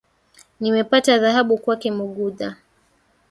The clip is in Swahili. Nimepata dhahabu kwake Mugudha